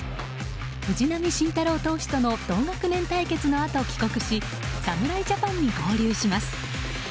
藤浪晋太郎投手との同学年対決のあと、帰国し侍ジャパンに合流します。